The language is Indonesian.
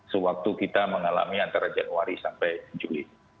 sewaktu kita mengalami antara januari sampai juli